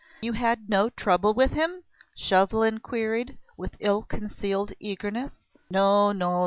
"You had no trouble with him?" Chauvelin queried, with ill concealed eagerness. "No, no!